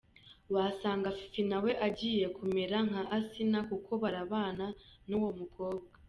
Wasanga Fifi na we agiye kumera nka Asinah, kuko barabana n’uwo mukobwa.